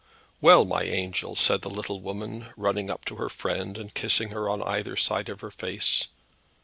"Well, my angel," said the little woman, running up to her friend and kissing her on either side of her face.